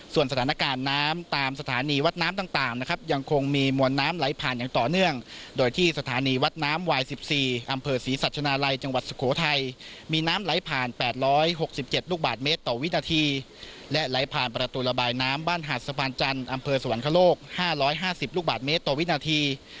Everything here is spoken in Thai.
ส่วนสถานการณ์น้ำตามสถานีวัดน้ำต่างนะครับยังคงมีมวลน้ำไหลผ่านอย่างต่อเนื่องโดยที่สถานีวัดน้ำวาย๑๔อำเภอศรีสัชนาลัยจังหวัดสุโขทัยมีน้ำไหลผ่าน๘๖๗ลูกบาทเมตรต่อวินาทีและไหลผ่านประตูระบายน้ำบ้านหาดสะพานจันทร์อำเภอสวรรคโลก๕๕๐ลูกบาทเมตรต่อวินาที